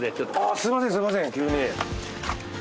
すみません急に。